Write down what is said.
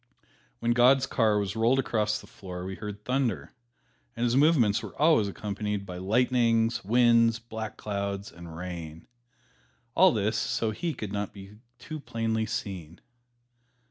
When God's car was rolled across the floor we heard thunder, and his movements were always accompanied by lightnings, winds, black clouds and rain all this so He could not be too plainly seen.